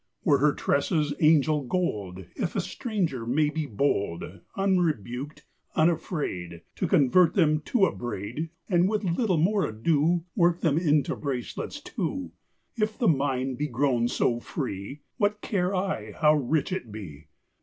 Were her tresses angel gold, If a stranger may be bold, Unrebuked, unafraid, To convert them to a braid, And with little more ado Work them into bracelets too? If the mine be grown so free, What care I how rich it be?